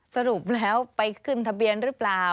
สรุปแล้วไปขึ้นทะเบียนหรือเปล่า